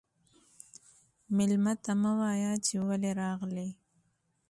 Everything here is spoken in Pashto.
مېلمه ته مه وايه چې ولې راغلې.